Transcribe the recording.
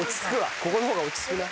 ここの方が落ち着くな。